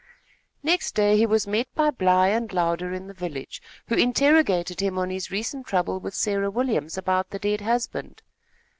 Next day he was met by Bly and Louder in the village, who interrogated him on his recent trouble with Sarah Williams about the dead husband.